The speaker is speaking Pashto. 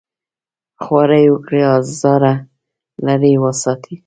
خواري وکړي ازاره لرې وساتي.